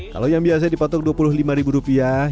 kalau yang biasa dipatok dua puluh lima ribu rupiah